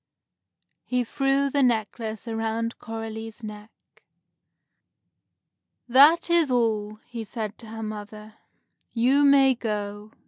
He threw the necklace around Coralie's neck. "That is all," he said to her mother. "You may go.